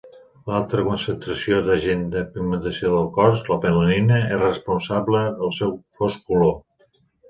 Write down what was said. L'alta concentració d'agent de pigmentació del cos, la melanina, és responsable del seu fosc color.